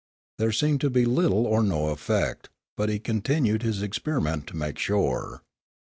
There seemed to be little or no effect, but he continued his experiment to make sure.